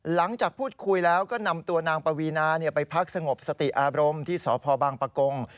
หลังจากพูดคุยแล้วก็นำตัวนางปวีนาไปพักสงบสติอารมณ์ที่สพบางปะกง